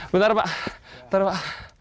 bentar pak bentar pak